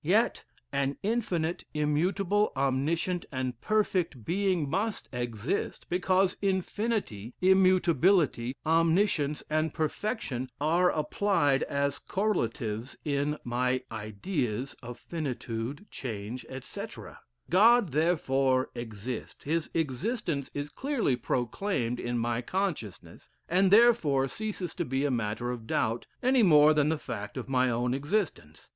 Yet an infinite, immutable, omniscient, and perfect being must exist, because infinity, immutability, omniscience, and perfection are applied as correlatives in my ideas of finitude, change, etc. God therefore exists: his existence is clearly proclaimed in my consciousness, and therefore ceases to be a matter of doubt any more than the fact of my own existence.